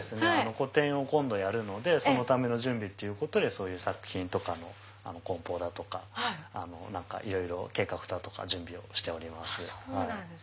個展を今度やるのでそのための準備ということで作品とかの梱包だとかいろいろ準備をしております。